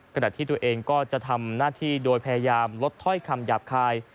ขณะที่ตัวเองก็จะทำหน้าที่โดยพยายามลดถ้อยคำหยาบคาย